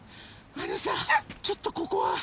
あのさちょっとここは。